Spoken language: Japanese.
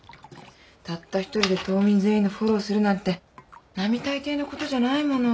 たった１人で島民全員のフォローをするなんて並大抵のことじゃないもの。